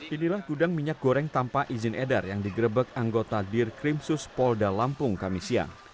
inilah gudang minyak goreng tanpa izin edar yang digerebek anggota dir krimsus polda lampung kami siang